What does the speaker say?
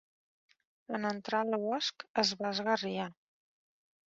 En entrar al bosc es va esgarriar.